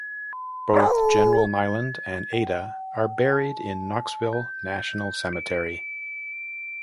Both General Neyland and Ada are buried in Knoxville National Cemetery.